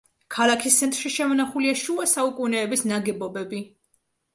ქალაქის ცენტრში შემონახულია შუა საუკუნეების ნაგებობები.